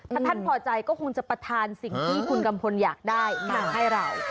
ถ้าท่านพอใจก็คงจะประทานสิ่งที่คุณกัมพลอยากได้มาให้เรา